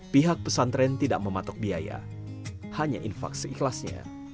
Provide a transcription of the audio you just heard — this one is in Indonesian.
pihak pesantren tidak mematok biaya hanya infak seikhlasnya